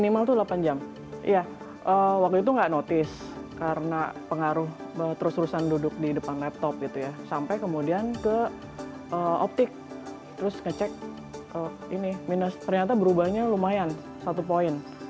minus ternyata berubahnya lumayan satu poin